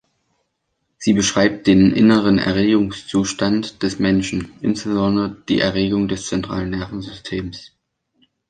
Sie beschreibt den "inneren Erregungszustand" des Menschen, insbesondere die Erregung des zentralen Nervensystems.